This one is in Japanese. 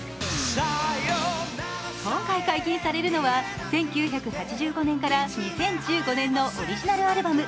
今回解禁されるのは、１９８５年から２０１５年のオリジナルアルバム